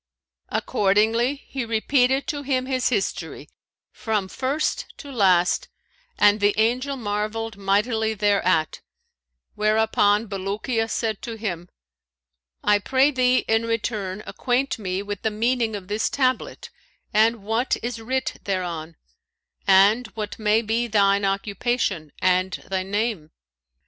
Accordingly, he repeated to him his history, from first to last, and the Angel marvelled mightily thereat, whereupon Bulukiya said to him, 'I pray thee in return acquaint me with the meaning of this tablet and what is writ thereon; and what may be thine occupation and thy name.'